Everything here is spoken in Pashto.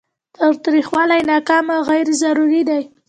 تاوتریخوالی ناکام او غیر ضروري دی.